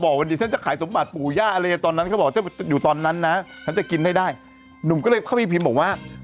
ปีนี้ฉันจะไม่เม้นอะไรเธออีกแล้ว